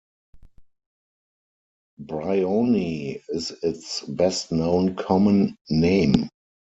Bryony is its best-known common name.